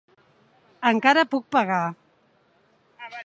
Encara puc pagar.